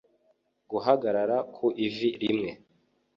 guhagarara ku ivi rimwe